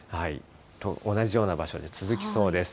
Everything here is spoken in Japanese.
同じような場所で続きそうです。